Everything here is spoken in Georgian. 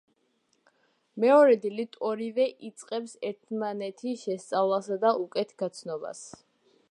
მეორე დილით ორივე იწყებს ერთმანეთის შესწავლასა და უკეთ გაცნობას.